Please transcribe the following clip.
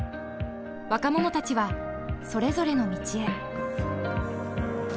若者たちはそれぞれの道へ。